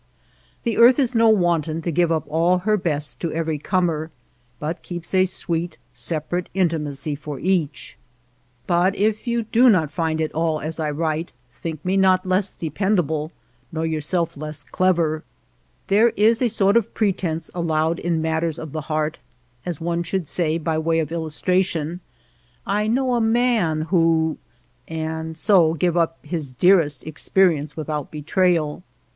The earth is no wanton to give up all her best to every comer, but keeps a sweet, separate intimacy for each. But if you do PREFACE not find it all as I write, think me not less dependable nor yourself less clever. There is a sort of pretense allowed in matters of the heart, as one should say by way of illustration, " I know a man who ...," and so give up his dearest experience with out betrayal.